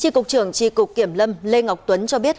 tri cục trưởng tri cục kiểm lâm lê ngọc tuấn cho biết